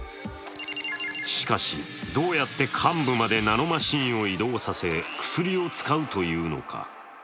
しかし、どうやって患部までナノマシンを移動させ、薬を使うというのか。